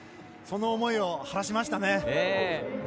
その思いを晴らしましたね。